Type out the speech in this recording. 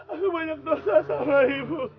aku banyak dosa sama ibu